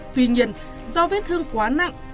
tuy nhiên do vết thương quá nặng